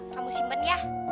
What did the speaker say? kamu simpen ya